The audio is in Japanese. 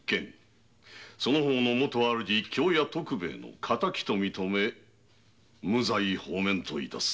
その方のもと主京屋徳兵衛の仇と認め無罪放免と致す。